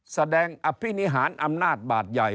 แสดงอภินิหารอำนาจบาดใหญ่